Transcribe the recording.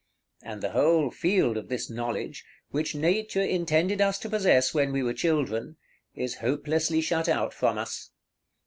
And the whole field of this knowledge, which Nature intended us to possess when we were children, is hopelessly shut out from us.